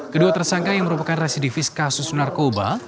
kedua tersangka yang merupakan residivis kasus narkoba